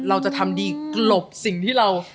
เราจะทำดีกลบสิ่งที่เรา